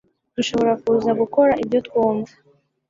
dushobora kuza gukora ibyo twu mva